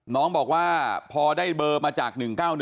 น้องบอกว่าพอได้เบอร์มาจาก๑๙๑